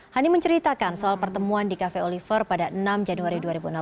hani menceritakan soal pertemuan di cafe oliver pada enam januari dua ribu enam belas